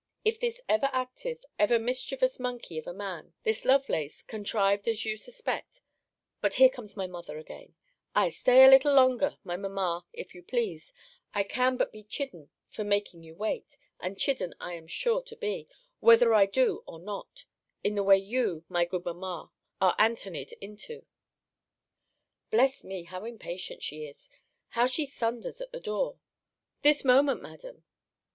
If this ever active, ever mischievous monkey of a man, this Lovelace, contrived as you suspect But here comes my mother again Ay, stay a little longer, my Mamma, if you please I can but be suspected! I can but be chidden for making you wait; and chidden I am sure to be, whether I do or not, in the way you, my good Mamma, are Antony'd into. Bless me! how impatient she is! How she thunders at the door! This moment, Madam!